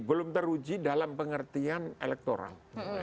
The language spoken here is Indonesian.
belum teruji dalam pengertian elektoral